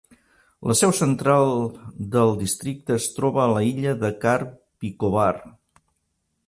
La seu central del districte es troba a la illa de Car Bicobar.